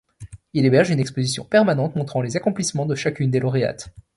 Il héberge une exposition permanente montrant les accomplissements de chacune des lauréates.